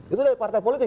itu dari partai politik